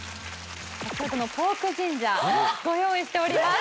先ほどのポークジンジャーご用意しております。